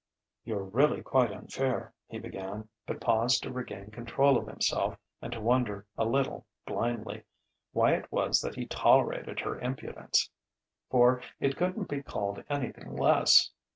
"You're really quite unfair," he began; but paused to regain control of himself and to wonder a little, blindly, why it was that he tolerated her impudence for it couldn't be called anything less.